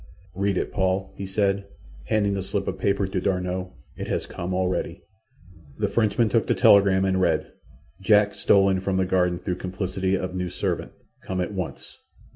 "Read it, Paul," he said, handing the slip of paper to D'Arnot. "It has come already." The Frenchman took the telegram and read: "Jack stolen from the garden through complicity of new servant. Come at once.